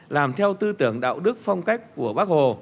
làm theo tư tưởng đạo đức phong cách của bác hồ